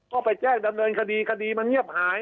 ก็ไปแจ้งดำเนินคดีคดีมันเงียบหาย